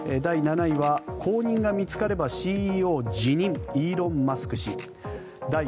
第７位は後任が見つかればＣＥＯ辞任イーロン・マスク氏。